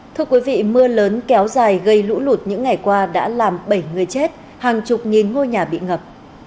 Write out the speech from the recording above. thưa quý vị mưa lớn kéo dài gây lũ lụt những ngày qua đã làm bảy người chết hàng chục nghìn ngôi nhà bị ngập